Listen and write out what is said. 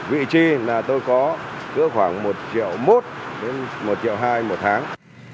vị trí là tôi có cứ khoảng một triệu mốt đến một triệu hai một tháng